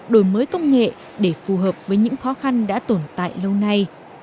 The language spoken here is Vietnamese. đổi mới công nghệ để phù hợp với những khó khăn đã tồn tại lâu nay